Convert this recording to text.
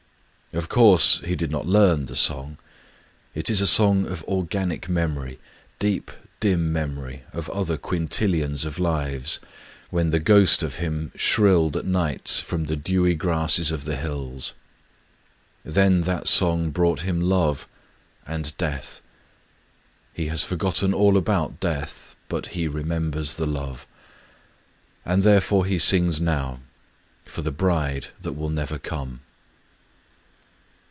Of course he did not learn the song. It is a song^pf ptgacic memory^— ^ deep, dim memory of other quintillions of lives^ when tb^ ^host of him shrilled at night from the dewy grasses of the Jiills .. Then that song brought him love — and death. He has forgotten all about death ; but he remem bers the love. And therefore he sings now — for the bride that will never come.